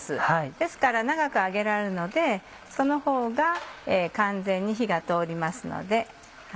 ですから長く揚げられるのでそのほうが完全に火が通りますので。